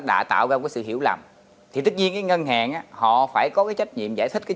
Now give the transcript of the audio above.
đã tạo ra một cái sự hiểu lầm thì tất nhiên cái ngân hàng họ phải có cái trách nhiệm giải thích cái